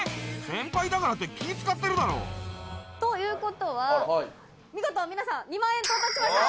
先輩だからって気つかってるだろということは見事皆さん２万円到達しました！